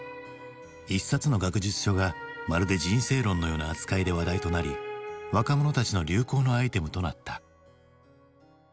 一冊の学術書がまるで人生論のような扱いで話題となり若者たちの流行のアイテムとなった。